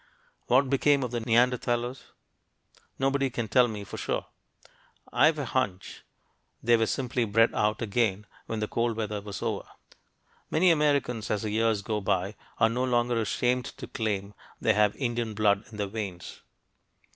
What became of the Neanderthalers? Nobody can tell me for sure. I've a hunch they were simply "bred out" again when the cold weather was over. Many Americans, as the years go by, are no longer ashamed to claim they have "Indian blood in their veins."